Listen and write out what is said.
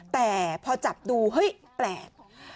แต่พอจับดูเฮ้ยแปลก